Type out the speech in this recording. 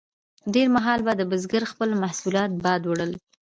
ډیر مهال به د بزګر خپل محصولات باد وړل.